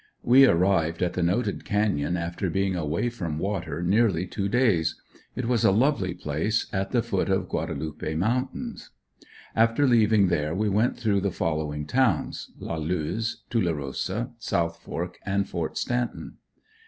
We arrived at the noted canyon after being away from water nearly two days. It was a lovely place, at the foot of Gandalupe mountains. After leaving there we went through the following towns: La Luz, Tulerosa, South Fork and Ft. Stanton.